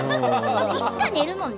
いつか寝るもんね